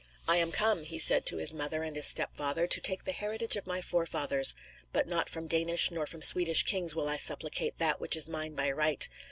"I am come," he said to his mother and his step father, "to take the heritage of my forefathers. But not from Danish nor from Swedish kings will I supplicate that which is mine by right.